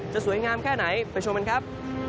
สวยงามแค่ไหนไปชมกันครับ